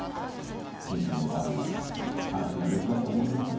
真剣の場合は話が別だと思いますよ。